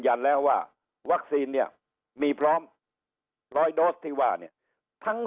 แล้วว่าวัคซีนเนี่ยมีพร้อม๑๐๐โดสที่ว่าเนี่ยทั้ง